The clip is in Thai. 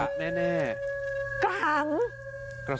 สวัสดีทุกคน